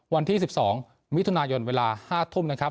วันที่สิบสองมิถุนายนเวลาห้าทุ่มนะครับ